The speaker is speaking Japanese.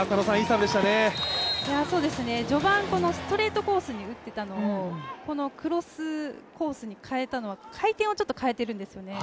序盤、このストレートコースに打ってたのをこのクロスコースに変えたのは回転をちょっと変えているんですよね。